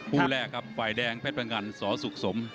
ผู้แรกครับวัยแดงเพชรพังอันสอสุกสม